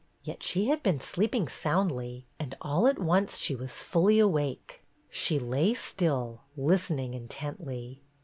Yet she had been sleeping soundly, and all at once she was fully awake. She lay still, listening intently.